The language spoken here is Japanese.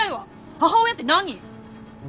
母親って何？